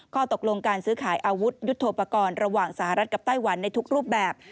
ข้อตกลงการซื้อขายอาวุธยุทธโปรกรณ์ระหว่างสหรัฐกับไต้หวันในทุกรูปแบบ